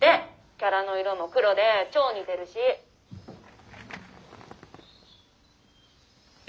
「キャラの色も黒で超似てるしィ」。